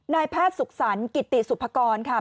นายแพทย์ศึกษัณฑ์กิตติสุขกรค่ะ